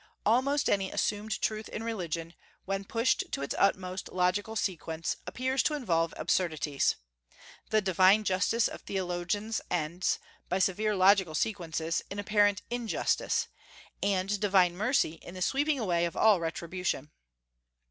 Almost any assumed truth in religion, when pushed to its utmost logical sequence, appears to involve absurdities. The "divine justice" of theologians ends, by severe logical sequences, in apparent injustice, and "divine mercy" in the sweeping away of all retribution.